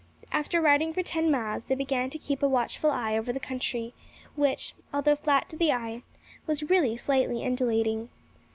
After riding for ten miles they began to keep a watchful eye over the country, which, although flat to the eye, was really slightly undulating.